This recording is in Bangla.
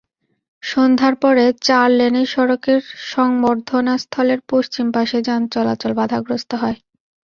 সন্ধ্যার পরে চার লেনের সড়কের সংবর্ধনাস্থলের পশ্চিম পাশে যান চলাচল বাধাগ্রস্ত হয়।